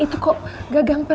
itu kok gagal